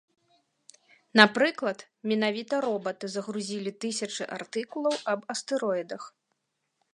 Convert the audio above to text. Напрыклад, менавіта робаты загрузілі тысячы артыкулаў аб астэроідах.